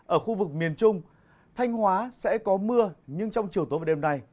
ở khu vực miền trung thanh hóa sẽ có mưa nhưng trong chiều tối và đêm nay